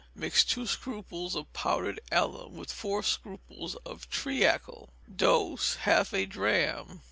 Mix two scruples of powdered alum with four scruples of treacle. Dose, half a drachm.